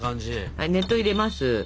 はい熱湯入れます。